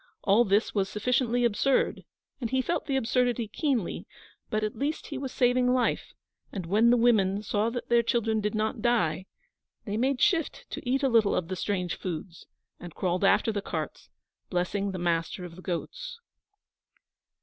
All this was sufficiently absurd, and he felt the absurdity keenly; but at least he was saving life, and when the women saw that their children did not die, they made shift to eat a little of the strange foods, and crawled after the carts, blessing the master of the goats.